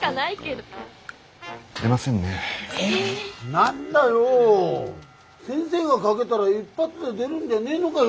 何だよ先生がかげだら一発で出るんでねえのがよ！